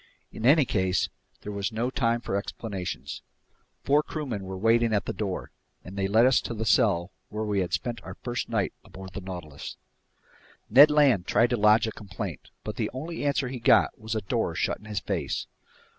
In any case, there was no time for explanations. Four crewmen were waiting at the door, and they led us to the cell where we had spent our first night aboard the Nautilus. Ned Land tried to lodge a complaint, but the only answer he got was a door shut in his face.